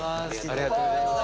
ありがとうございます。